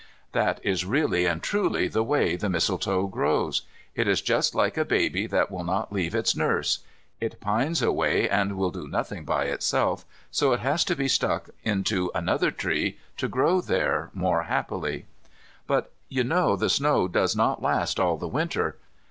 That is really and truly the way the mistletoe grows. It is just like a baby that will not leave its nurse. It pines away and will do nothing by itself, so it has to be stuck into another tree to grow there more happily. But you know the snow does not last all the Winter.